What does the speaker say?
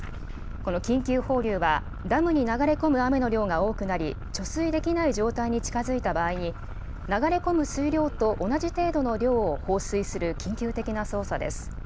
この緊急放流は、ダムに流れ込む雨の量が多くなり、貯水できない状態に近づいた場合に、流れ込む水量と同じ程度の量を放水する緊急的な操作です。